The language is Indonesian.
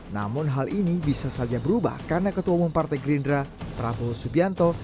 namun hal ini bisa saja berubah karena ketua umum partai gerindra prabowo subianto